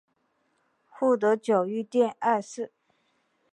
护得久御殿二世。